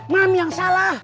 mami yang salah